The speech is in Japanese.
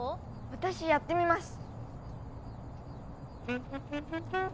私やってみます。